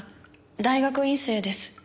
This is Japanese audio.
大学院生です。